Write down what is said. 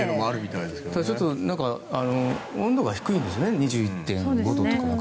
ただ、ちょっと温度が低いんですね、２１．５度とか。